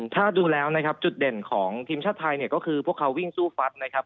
ถ้าดูแล้วนะครับจุดเด่นของทีมชาติไทยเนี่ยก็คือพวกเขาวิ่งสู้ฟัดนะครับ